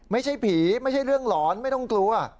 ไม่ใช่ผีไม่ใช่เรื่องหลอนไม่ต้องกลัว